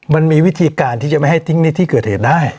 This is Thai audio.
มันมีวิธีการที่จะไม่ให้ทิ้งในที่เกิดเหตุได้